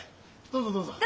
どうぞどうぞ。